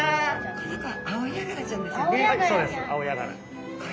この子アオヤガラちゃんですよね。